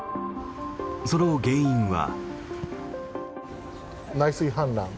その原因は。